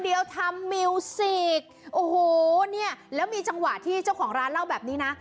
เดียวทำมิวซีกโอ้โหเนี่ยแล้วมีจังหวะที่เจ้าของร้านเล่าแบบนี้นะ